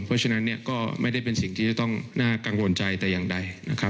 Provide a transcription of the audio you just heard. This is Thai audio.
เพราะฉะนั้นก็ไม่ได้เป็นสิ่งที่ต้องกังวลใจแต่อย่างใด